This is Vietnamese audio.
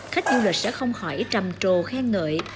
khách du lịch sẽ không hỏi trầm trồ khen ngợi